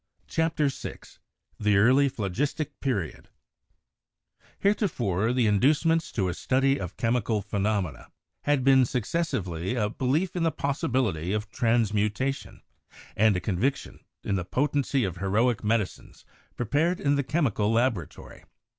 CHAPTER VI THE EARLY PHLOGISTIC PERIOD Heretofore the inducements to a study of chemical phenomena had been successively a belief in the possibility of transmutation, and a conviction in the potency of heroic medicines prepared in the chemical laboratory.